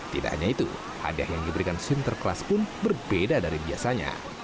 tidak hanya itu hadiah yang diberikan sinterklas pun berbeda dari biasanya